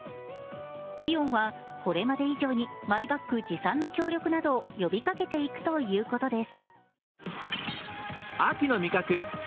イオンは、これまで以上にマイバッグ持参の協力などを呼びかけていくということです。